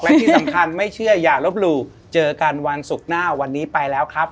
และที่สำคัญไม่เชื่ออย่าลบหลู่เจอกันวันศุกร์หน้าวันนี้ไปแล้วครับ